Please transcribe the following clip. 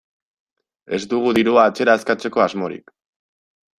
Ez dugu dirua atzera eskatzeko asmorik.